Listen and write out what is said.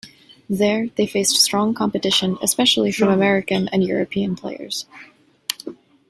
There, they faced strong competition especially from American and European players.